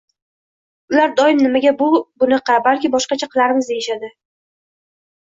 Ular doim nimaga bu bunaqa, balki boshqacha qilarmiz, deyishadi.